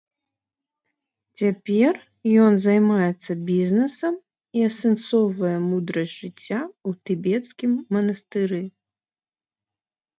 Цяпер ён займаецца бізнэсам і асэнсоўвае мудрасць жыцця ў тыбецкім манастыры.